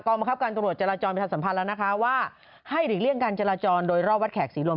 บังคับการตำรวจจราจรประชาสัมพันธ์แล้วนะคะว่าให้หลีกเลี่ยงการจราจรโดยรอบวัดแขกศรีลม